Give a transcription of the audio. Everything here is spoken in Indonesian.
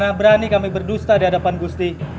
mana berani kami berdusta dikampung ghosti